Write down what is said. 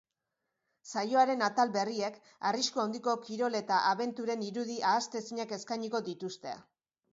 Saioaren atal berriek, arrisku handiko kirol eta abenturen irudi ahaztezinak eskainiko dituzte.